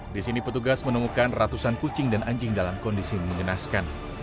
di sini petugas menemukan ratusan kucing dan anjing dalam kondisi mengenaskan